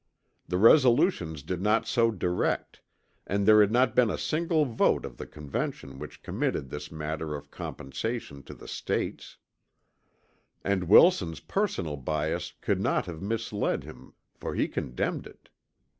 The resolutions did not so direct; and there had not been a single vote of the Convention which committed this matter of compensation to the States; and Wilson's personal bias could not have misled him for he condemned it.